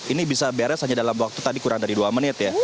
ini bisa beres hanya dalam waktu tadi kurang dari dua menit ya